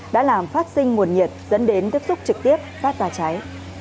đã làm phát sinh nguồn nhiệt dẫn đến tiếp xúc trực tiếp phát ra cháy